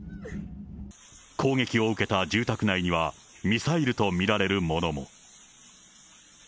攻撃を受けた住宅内には、ミサイルと見られるものも。